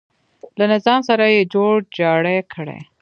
له نظام سره یې جوړ جاړی کړی.